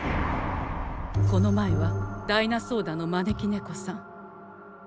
この前はダイナソーダの招き猫さん。